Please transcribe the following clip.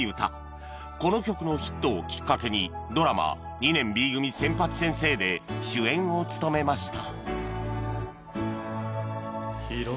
この曲のヒットをきっかけにドラマ『２年 Ｂ 組仙八先生』で主演を務めました